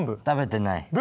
食べてない。